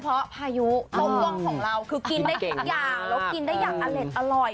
เพราะภายุตรงของเราคือกินได้อย่างอเล็ดอร่อย